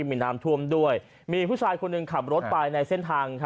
มีน้ำท่วมด้วยมีผู้ชายคนหนึ่งขับรถไปในเส้นทาง